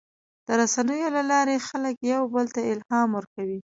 د رسنیو له لارې خلک یو بل ته الهام ورکوي.